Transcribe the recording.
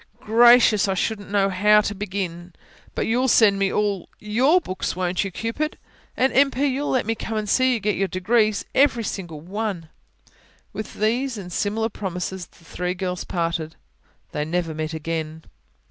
"Gracious! I shouldn't know how to begin. But you'll send me all you write all YOUR books won't you, Cupid? And, M. P., you'll let me come and see you get your degrees every single one." With these and similar promises the three girls parted. They never met again.